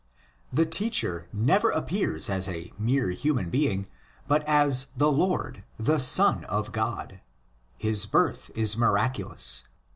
The teacher never appears as ἃ mere human being, but as '"'the Lord," the ''Son of God." His birth is miraculous.